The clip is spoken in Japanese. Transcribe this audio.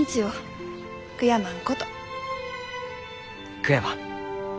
悔やまん。